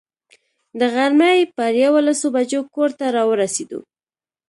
د غرمې پر یوولسو بجو کور ته را ورسېدو.